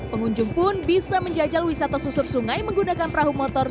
pengunjung pun bisa menjajal wisata susur sungai menggunakan perahu motor